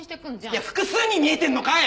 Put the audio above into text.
いや複数に見えてんのかい！